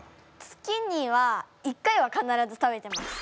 月には１回は必ず食べてます。